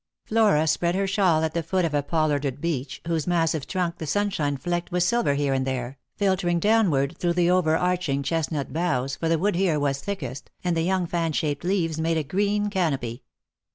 Flora spread her shawl at the foot of a pollarded beech, whose massive trunk the sunshine flecked with silver here and there, filtering downward through the over arching chestnut boughs, for the wood here was thickest, and the young fan shaped leaves made a green canopy.